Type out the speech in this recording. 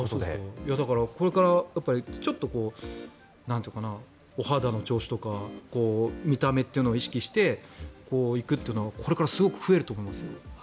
だからこれからお肌の調子とか見た目というのを意識していくというのはこれからすごく増えると思いますよ。